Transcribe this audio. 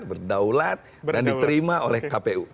berdaulat dan diterima oleh kpu